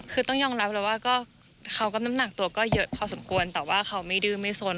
คือต้องยอมรับแล้วว่าก็เขาก็น้ำหนักตัวก็เยอะพอสมควรแต่ว่าเขาไม่ดื้อไม่สน